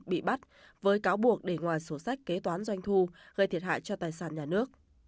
bị bắt với cáo buộc để ngoài sổ sách kế toán doanh thu gây thiệt hại cho tài sản nhà nước